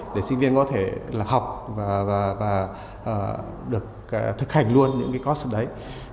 để sinh viên có thể học và được thực hành luôn những cái course ở đấy